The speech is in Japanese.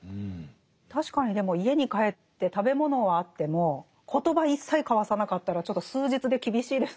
確かにでも家に帰って食べ物はあっても言葉一切交わさなかったらちょっと数日で厳しいですもんね。